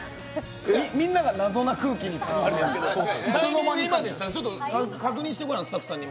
みんなが謎な空気に包まれているんですけど、確認が今なのか、ちょっと確認してごらん、スタッフさんに。